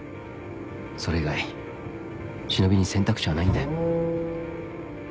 それ以外忍びに選択肢はないんだよ。